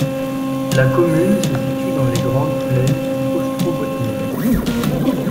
La commune se situe dans les grandes plaines ostrobotniennes.